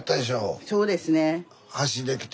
そうですね。